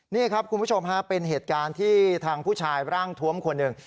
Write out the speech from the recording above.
นี่ครับคุณผู้ชมฮะเป็นเหตุการณ์ที่ทางผู้ชายร่างทวมคนหนึ่ง